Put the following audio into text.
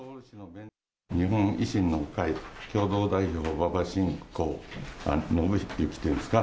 日本維新の会共同代表、馬場しん